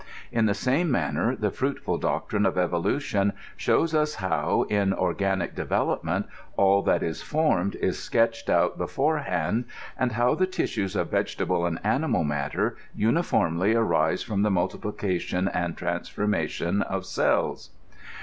In the same manner, the fruitful doctrine of evolution shows us how, in organic development, all that is formed is sketched out beforehand, and how the tissues of vegetable and animal matter uniformly arise from the multiplication and transformation of cells.